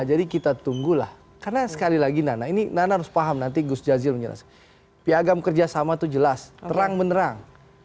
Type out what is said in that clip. jadi kita tunggulah karena sekali lagi nana ini nana harus paham nanti gus jazil menjelaskan piagam kerjasama itu jelas terang menerang